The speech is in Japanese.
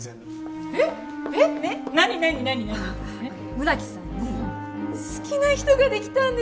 村木さんに好きな人ができたんです！